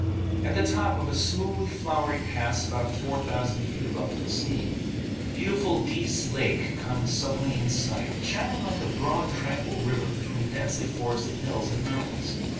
At the top of a smooth, flowery pass about four thousand feet above the sea, beautiful Dease Lake comes suddenly in sight, shining like a broad tranquil river between densely forested hills and mountains.